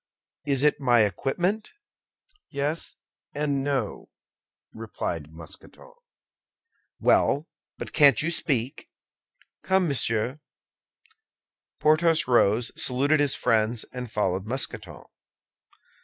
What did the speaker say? "Is it my equipment?" "Yes and no," replied Mousqueton. "Well, but can't you speak?" "Come, monsieur." Porthos rose, saluted his friends, and followed Mousqueton.